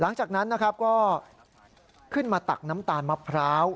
หลังจากนั้นนะครับก็ขึ้นมาตักน้ำตาลมะพร้าว